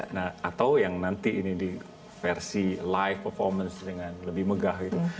nah atau yang nanti ini diversi live performance dengan lebih megah gitu